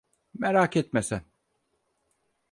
Merak etme sen.